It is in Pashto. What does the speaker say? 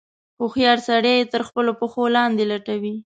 هوښیار سړی یې تر خپلو پښو لاندې لټوي.